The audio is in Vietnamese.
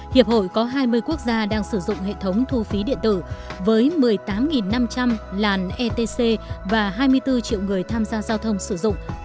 hiệp hội có hai mươi quốc gia đang sử dụng hệ thống thu phí điện tử với một mươi tám năm trăm linh làn etc và hai mươi bốn triệu người tham gia giao thông sử dụng